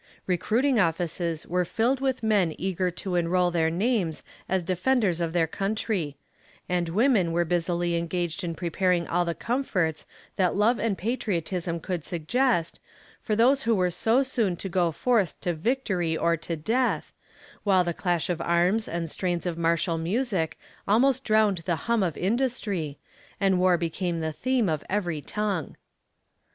Recruiting offices were filled with men eager to enroll their names as defenders of their country and women were busily engaged in preparing all the comforts that love and patriotism could suggest, for those who were so soon to go forth to victory or to death, while the clash of arms and strains of martial music almost drowned the hum of industry, and war became the theme of every tongue.